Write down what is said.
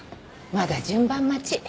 まだ順番待ち。